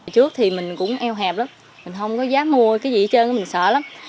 trước thì mình cũng eo hẹp lắm mình không có dám mua cái gì hết trơn mình sợ lắm